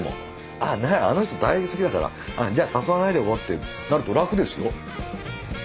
あああの人たい焼き好きだから誘わないでおこうってなると楽ですよ。